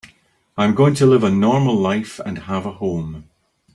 I'm going to live a normal life and have a home.